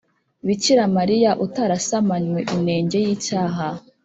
bikira mariya utarasamanywe inenge y’icyaha,